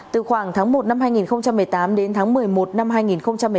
từ khoảng tháng một năm hai nghìn một mươi tám đến tháng một mươi một năm hai nghìn một mươi tám